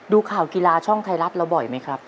ดูข่าวกีฬาช่องไทยรัฐเราบ่อยไหมครับ